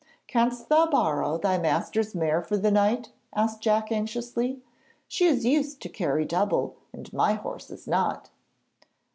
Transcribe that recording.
'Canst thou borrow thy master's mare for the night?' asked Jack anxiously. 'She is used to carry double, and my horse is not.'